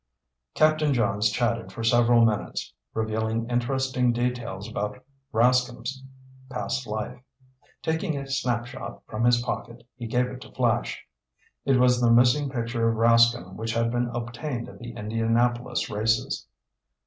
Captain Johns chatted for several minutes, revealing interesting details about Rascomb's past life. Taking a snapshot from his pocket, he gave it to Flash. It was the missing picture of Rascomb which had been obtained at the Indianapolis races.